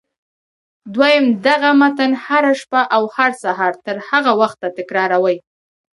دويم دغه متن هره شپه او هر سهار تر هغه وخته تکراروئ.